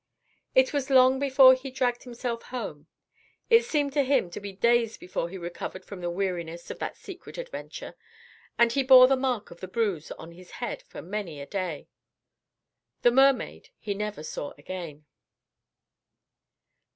It was long before he dragged himself home. It seemed to him to be days before he recovered from the weariness of that secret adventure, and he bore the mark of the bruise on his head for many a day. The mermaid he never saw again.